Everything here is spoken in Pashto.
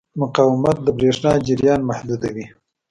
مقاومت د برېښنا جریان محدودوي.